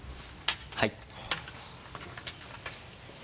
はい。